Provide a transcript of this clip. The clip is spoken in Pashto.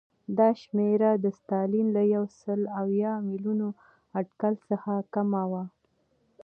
دا شمېر د ستالین له یو سل اویا میلیونه اټکل څخه کم و